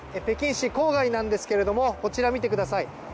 北京市郊外なんですけれどもこちら見てください。